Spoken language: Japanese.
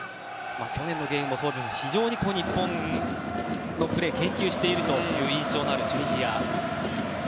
去年のゲームもそうでしたが非常に日本のプレーを研究しているという印象のあるチュニジア。